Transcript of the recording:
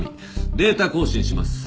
データ更新します。